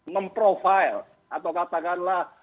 memprofile atau katakanlah